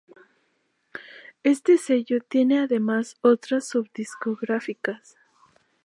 Este sello tiene además otras sub-discográficas.